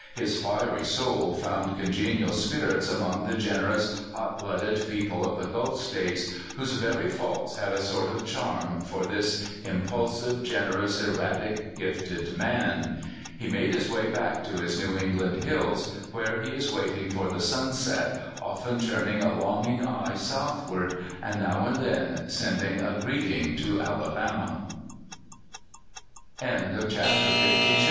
His fiery soul found congenial spirits among the generous, hot blooded people of the Gulf States, whose very faults had a sort of charm for this impulsive, generous, erratic, gifted, man. He made his way back to his New England hills, where he is waiting for the sunset, often turn ing a longing eye southward, and now and then sending a g